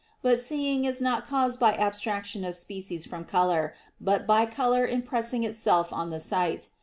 But seeing is not caused by abstraction of species from color, but by color impressing itself on the sight.